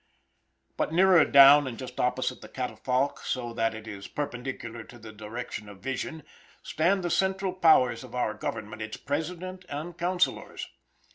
But nearer down, and just opposite the catafalque so that it is perpendicular to the direction of vision, stand the central powers of our government, its President and counsellors.